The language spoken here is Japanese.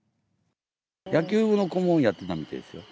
野球部の顧問やってたみたいですよ。